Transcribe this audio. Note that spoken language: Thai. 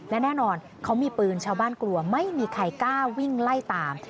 และแน่นอนเขามีปืนชาวบ้านกลัวไม่มีใครกล้าวิ่งไล่ตาม